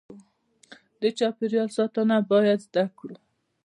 د چاپیریال ساتنه باید زده کړو.